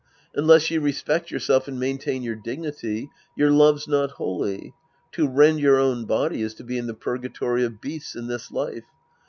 Unless you respect yourself and maintain your dignity, your love's not holy. To rend your own body is to be in the Purgatory of Beasts in this life.